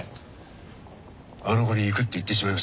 あの子に行くって言ってしまいましたから。